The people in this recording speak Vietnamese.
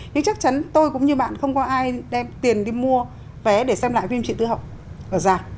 nhưng chắc chắn tôi cũng như bạn không có ai đem tiền đi mua vé để xem lại phim trị tư hậu ở già